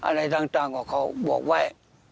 อะไรต่างก็เขาบอกว่า